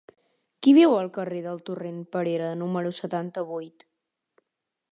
Qui viu al carrer del Torrent de Perera número setanta-vuit?